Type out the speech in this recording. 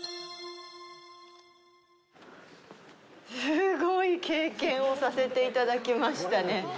すごい経験をさせていただきましたね。